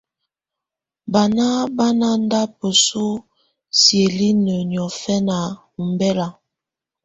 Báná bá ná ndá bǝ́su siǝ́linǝ́ niɔ́fɛna ɔmbɛla.